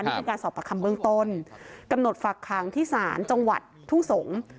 นี่คือการสอบประคำเบื้องต้นกำหนดฝักขังที่ศาลจังหวัดทุ่งสงศ์